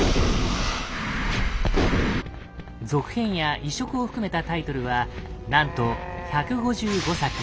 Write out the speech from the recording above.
続編や移植を含めたタイトルはなんと１５５作。